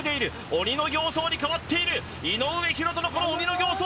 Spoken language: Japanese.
鬼の形相に変わっています、井上大仁のこの鬼の形相。